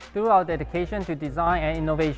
dengan dedikasi kami untuk desain dan inovasi